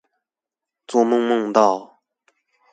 做夢夢到